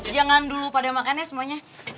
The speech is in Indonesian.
jangan dulu pada makannya semuanya